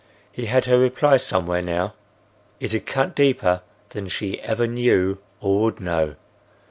He had her reply somewhere now; it had cut deeper than she ever knew or would know.